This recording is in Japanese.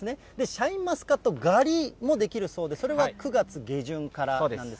シャインマスカット狩りもできるそうで、それは９月下旬からなんそうです。